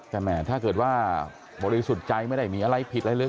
แต่แหมถ้าเกิดว่าบริสุทธิ์ใจไม่ได้มีอะไรผิดอะไรเลย